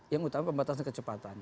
yang utama pembatasan kecepatan